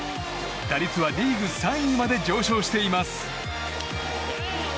打率はリーグ３位まで上昇しています。